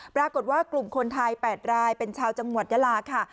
ปรากฏว่ากลุ่มคนไทย๘รายเป็นชาวจังหวัดยาลาค่ะ